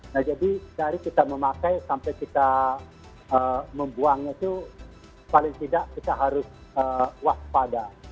nah jadi dari kita memakai sampai kita membuangnya itu paling tidak kita harus waspada